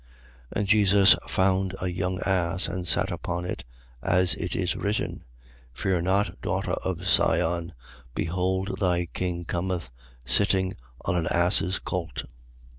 12:14. And Jesus found a young ass and sat upon it, as it is written: 12:15. Fear not, daughter of Sion: behold thy king cometh, sitting on an ass's colt.